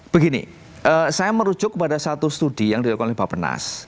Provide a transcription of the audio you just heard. begini saya merujuk kepada satu studi yang dilakukan oleh bapak penas